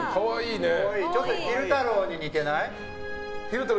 ちょっと昼太郎に似てない？